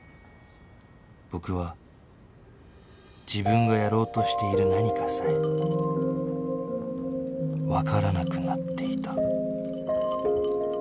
僕は自分がやろうとしている何かさえわからなくなっていた